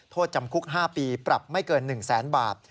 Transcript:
โทษจำคุก๕ปีปรับไม่เกิน๑แสนบาท